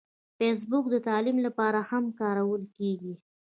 فېسبوک د تعلیم لپاره هم کارول کېږي